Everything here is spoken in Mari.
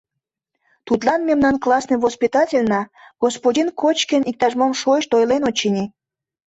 — Тудлан мемнан классный воспитательна господин Кочкин иктаж-мом шойышт ойлен, очыни.